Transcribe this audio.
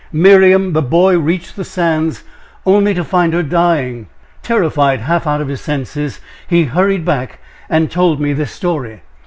Miriam, the boy reached the sands only to find her dying. Terrified half out of his senses, he hurried back and told me this story.